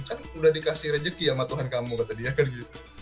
kan udah dikasih rezeki sama tuhan kamu kata dia kan gitu